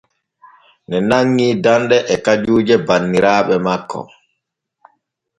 Ŋee nanŋi danɗe et kajuuje banniraaɓe makko.